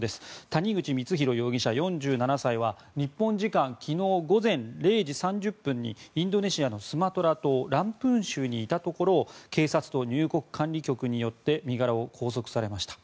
谷口光弘容疑者、４７歳は日本時間昨日午前０時３０分にインドネシアのスマトラ島ランプン州にいたところを警察と入国管理局によって身柄を拘束されました。